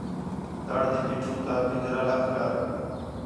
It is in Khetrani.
تڑ تی پیٹھو تا پھنجرہ لَکھ کر